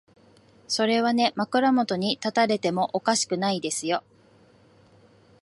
それはね、枕元に立たれてもおかしくないですよ。